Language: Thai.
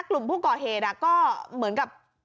กลุ่มผู้ก่อเหตุก็เหมือนกับ